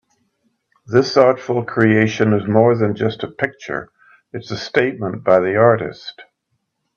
This artful creation is more than just a picture, it's a statement by the artist.